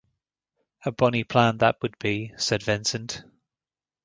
"A bonny plan that would be," said Vincent.